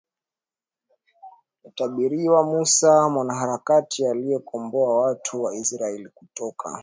yatabarikiwa Musa mwanaharakati aliyewakomboa watu wa Israeli kutoka